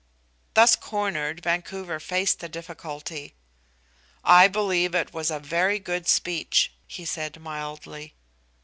Thus cornered, Vancouver faced the difficulty. "I believe it was a very good speech," he said mildly.